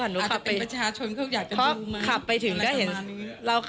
อาจจะเป็นประชาชนเขาก็อยากจะดูมา